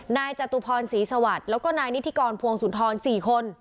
นายจตุภรณ์สีสวัตย์แล้วก็นายนิติกรพวงศุนทรภ์สี่คน